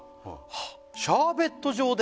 はっ「シャーベット状で」